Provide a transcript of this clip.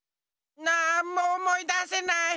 なんもおもいだせない。